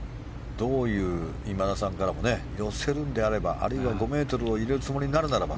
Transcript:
どういう今田さんからも寄せるのであればあるいは５ｍを入れるつもりならばと。